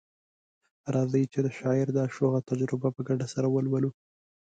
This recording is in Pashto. راځئ چي د شاعر دا شوخه تجربه په ګډه سره ولولو